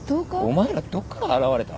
お前らどっから現れた？